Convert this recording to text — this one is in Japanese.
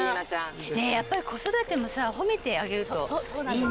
やっぱり子育てもさ褒めてあげるといいんじゃない？